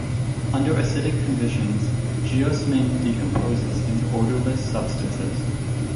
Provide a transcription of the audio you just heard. Under acidic conditions, geosmin decomposes into odorless substances.